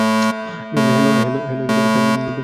Hello, bank of Shimla!